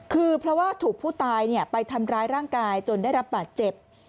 คือเพราะว่าถูกผู้ตายไปทำร้ายร่างกายจนได้รับบาดเจ็บ